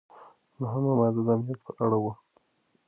نهمه ماده د امنیت په اړه وه.